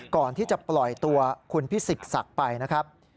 ก่อนที่จะปล่อยตัวคุณพิสิทธิ์ศักดิ์ไปนะครับ